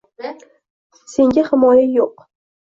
Senga himoya yo’q